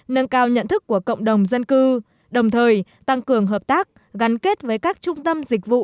nâng cao nhận thức của cộng đồng dân cư đồng thời tăng cường hợp tác gắn kết với các trung tâm dịch vụ